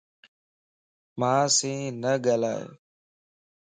مانسين نه ڳالھائي